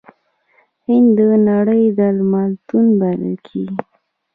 هند د نړۍ درملتون بلل کیږي.